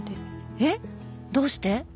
えっどうして？